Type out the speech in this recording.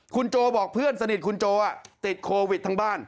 คุณโจบอกเพื่อนสนิทคุณโจติดโควิดทั้งบ้าน